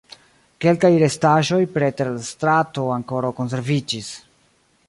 Kelkaj restaĵoj preter la strato ankoraŭ konserviĝis.